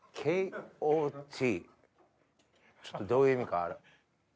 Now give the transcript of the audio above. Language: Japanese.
ちょっとどういう意味か。